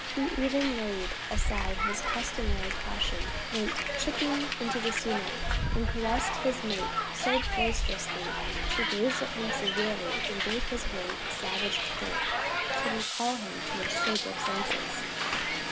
He even laid aside his customary caution, went chipping into the sumac, and caressed his mate so boisterously she gazed at him severely and gave his wing a savage pull to recall him to his sober senses.